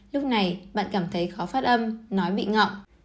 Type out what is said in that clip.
lúc này bạn cảm thấy khó phát âm nói bị ngọ